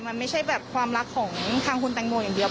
มันไม่ใช่แบบความรักของทางคุณแตงโมอย่างเดียว